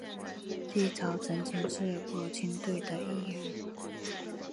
纪超曾经是国青队的一员。